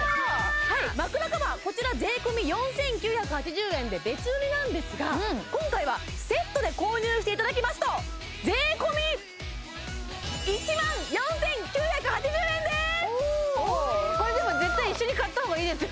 枕カバーこちら税込４９８０円で別売りなんですが今回はセットで購入していただきますと税込これ絶対一緒に買った方がいいですよね